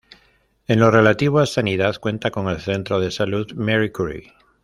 En lo relativo a sanidad, cuenta con el centro de salud Marie Curie.